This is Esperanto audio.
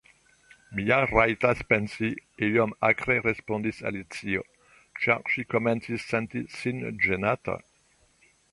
"Mi ja rajtas pensi," iom akre respondis Alicio, ĉar ŝi komencis senti sin ĝenata.